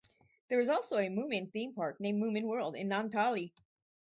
There is also a Moomin theme park named Moomin World in Naantali.